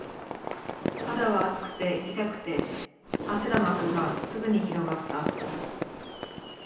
肌は熱くて、痛くて、汗の膜がすぐに広がった